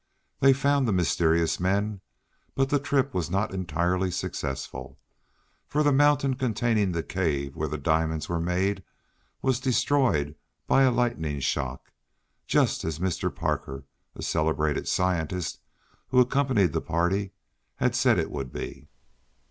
They found the mysterious men, but the trip was not entirely successful, for the mountain containing the cave where the diamonds were made was destroyed by a lightning shock, just as Mr. Parker, a celebrated scientist, who accompanied the party, said it would be.